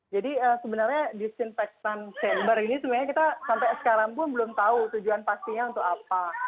jadi sebenarnya disinfektan chamber ini sebenarnya kita sampai sekarang pun belum tahu tujuan pastinya untuk apa